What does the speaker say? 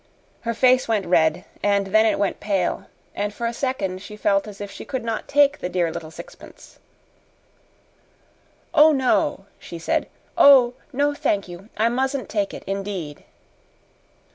Her face went red and then it went pale, and for a second she felt as if she could not take the dear little sixpence. "Oh, no!" she said. "Oh, no, thank you; I mustn't take it, indeed!"